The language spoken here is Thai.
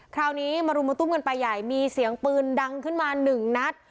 คราวนี้มารุมมาตุ้มกันไปใหญ่มีเสียงปืนดังขึ้นมาหนึ่งนัด